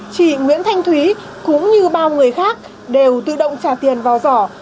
chị nguyễn thanh thúy cũng như bao người khác đều tự động trả tiền vào giỏ